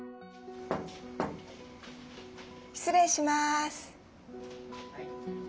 失礼します。